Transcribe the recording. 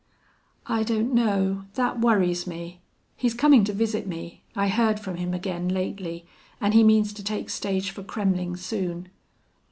"I don't know. That worries me. He's coming to visit me. I heard from him again lately, and he means to take stage for Kremmling soon."